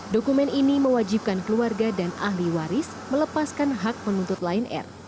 dokumen ini mewajibkan keluarga dan ahli waris melepaskan hak penuntut lion air